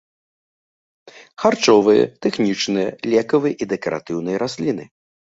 Харчовыя, тэхнічныя, лекавыя і дэкаратыўныя расліны.